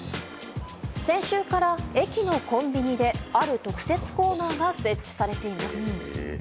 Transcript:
先週から、駅のコンビニである特設コーナーが設置されています。